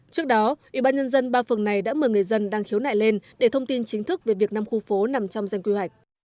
trước đó ủy ban nhân dân ba phường này đã mời người dân đang khiếu nại lên để thông tin chính thức về việc năm khu phố nằm trong danh quy hoạch